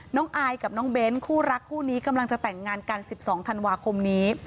อายกับน้องเบ้นคู่รักคู่นี้กำลังจะแต่งงานกัน๑๒ธันวาคมนี้